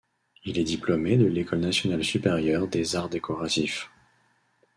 Il est diplômé de l’École Nationale Supérieure des Arts Décoratifs.